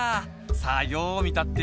さあようみたってや。